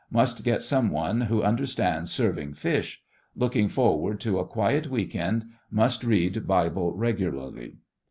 Must get some one who understands serving fish. Looking forward to a quiet week end. Must read Bible regularly."